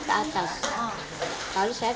setelah disurasi kita ngusik